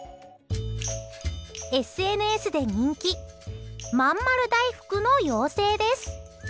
ＳＮＳで人気まんまる大福の妖精です。